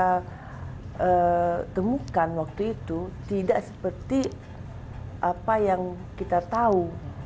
kita temukan waktu itu tidak seperti apa yang kita tahu